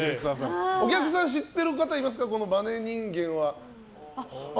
お客さん、知ってる方いますかバネ人間は。